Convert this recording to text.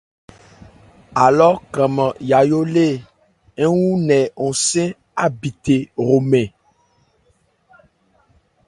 Alɔ kranman yayó lê ń wù nkɛ hɔnsɛ́n ábithe hromɛn.